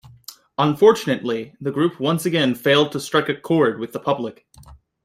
Unfortunately, the group once again failed to strike a chord with the public.